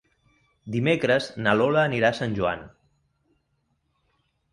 Dimecres na Lola anirà a Sant Joan.